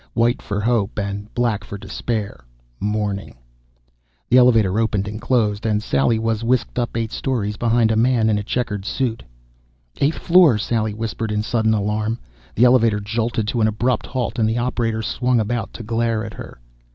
White for hope, and black for despair, mourning ... The elevator opened and closed and Sally was whisked up eight stories behind a man in a checkered suit. "Eighth floor!" Sally whispered, in sudden alarm. The elevator jolted to an abrupt halt and the operator swung about to glare at her.